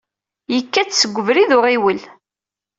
Yekka-d seg ubrid n uɣiwel.